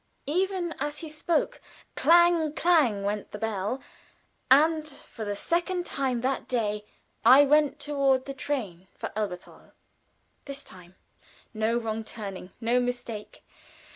Even as he spoke, clang, clang, went the bell, and for the second time that day I went toward the train for Elberthal. This time no wrong turning, no mistake.